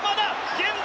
源田！